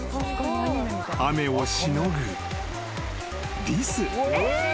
［雨をしのぐリス］えっ！？